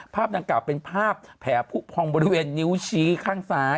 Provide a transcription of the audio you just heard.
ภาพดังกล่าวเป็นภาพแผลผู้พองบริเวณนิ้วชี้ข้างซ้าย